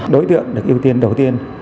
đối tượng được ưu tiên đầu tiên